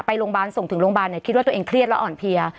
โรงพยาบาลส่งถึงโรงพยาบาลคิดว่าตัวเองเครียดและอ่อนเพลีย